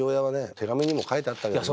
手紙にも書いてあったけどね。